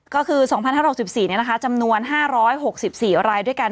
ก็คือ๒๕๖๔เนี่ยนะคะจำนวน๕๖๔รายด้วยกัน